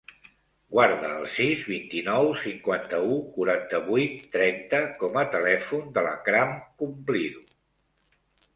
Guarda el sis, vint-i-nou, cinquanta-u, quaranta-vuit, trenta com a telèfon de l'Akram Cumplido.